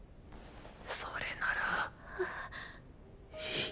それならいい。